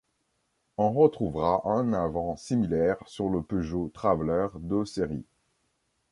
On retrouvera un avant similaire sur le Peugeot Traveller de série.